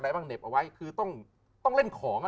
บ้างเหน็บเอาไว้คือต้องเล่นของ